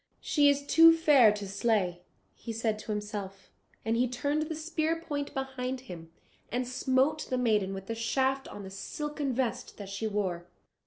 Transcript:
"She is too fair to slay," said he to himself, and he turned the spear point behind him, and smote the maiden with the shaft on the silken vest that she wore.